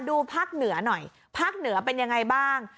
ภาคเหนือหน่อยภาคเหนือเป็นยังไงบ้าง